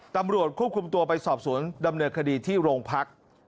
ตำรวจควบคุมตัวไปสอบสวนดำเนินคดีที่โรงพัก